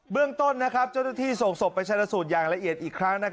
เบื้องต้นนะครับเจ้าหน้าที่ส่งสบไปใช้ละสูตรอย่างละเอียดอีกครั้ง